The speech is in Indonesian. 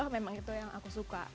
memang itu yang aku suka